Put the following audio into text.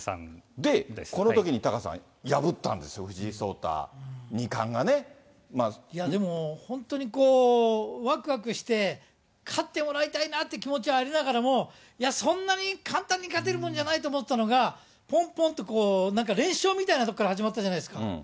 で、このときにタカさん、破ったんですよ、でも、本当にこう、わくわくして、勝ってもらいたいなっていう気持ちはありながらも、いや、そんなに簡単に勝てるもんじゃないと思ってたのが、ぽんぽんと、こう、なんか連勝みたいなところから始まったじゃないですか。